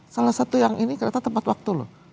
salah satu yang ini kereta tepat waktu loh